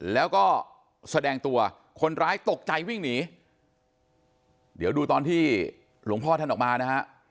แล้วก็แสดงตัวคนร้ายตกใจวิ่งหนีเดี๋ยวดูตอนที่หลวงพ่อท่านออกมานะฮะ